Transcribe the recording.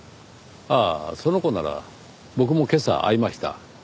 ああその子なら僕も今朝会いました。